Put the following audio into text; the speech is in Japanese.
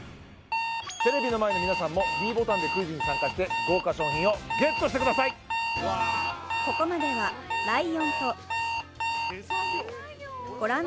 テレビの前の皆さんもｄボタンでクイズに参加して豪華賞品をＧＥＴしてください「アサヒスーパードライ」